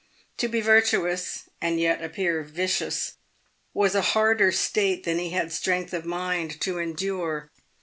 To be virtuous, and yet appear vicious, was a harder state than he had strength of mind to endure.